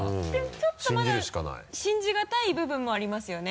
ちょっとまだ信じがたい部分もありますよね？